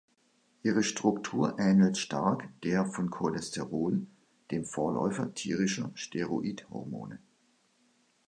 Ihre Struktur ähnelt stark der von Cholesterol, dem Vorläufer tierischer Steroidhormone.